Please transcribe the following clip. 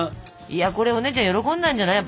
いやこれお姉ちゃん喜んだんじゃない。